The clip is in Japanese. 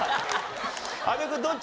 阿部君どっち？